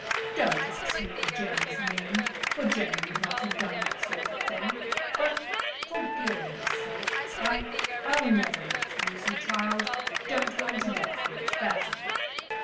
Don't ask me in Jenny's name, for Jenny would not have done that sort of thing; but, for Gilroy's sake, I—I'll never refuse you, child. Don't go into debt for it, that's all."